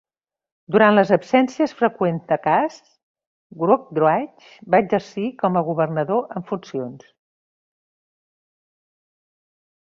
Durant les absències freqüents de Cass, Woodbridge va exercir com a governador en funcions.